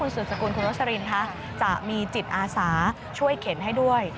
เพราะว่าคุณสูตรสกุลคุณโรสลินค่ะจะมีจิตอาสาช่วยเข็นให้ด้วย